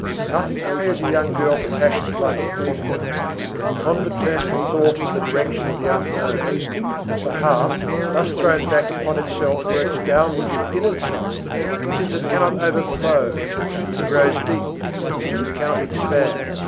Nothing prepares a young girl for passions like the convent. The convent turns the thoughts in the direction of the unknown. The heart, thus thrown back upon itself, works downward within itself, since it cannot overflow, and grows deep, since it cannot expand.